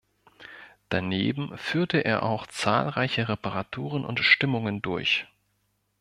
Daneben führte er auch zahlreiche Reparaturen und Stimmungen durch.